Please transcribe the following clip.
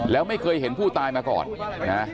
แล้วไม่เคยเห็นผู้ตายมาก่อนนะ